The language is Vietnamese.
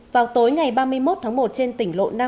vào tối ngày ba mươi một tháng một trên tỉnh lộn